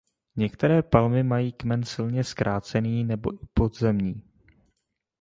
Některé palmy mají kmen silně zkrácený nebo i podzemní.